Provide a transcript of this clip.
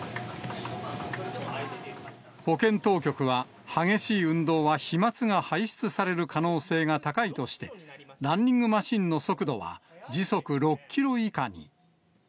保健当局は激しい運動は、飛まつが排出される可能性が高いとして、ランニングマシンの速度は時速６キロ以下に。